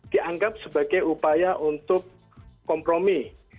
dianggap sebagai upaya untuk kompromi